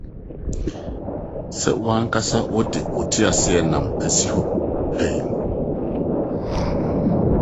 So w'ankasa wode wo kar asi hɔ pɛn?